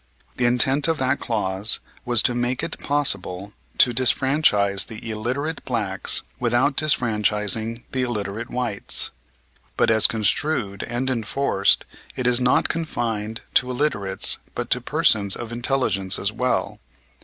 The intent of that clause was to make it possible to disfranchise the illiterate blacks without disfranchising the illiterate whites. But as construed and enforced it is not confined to illiterates but to persons of intelligence as well.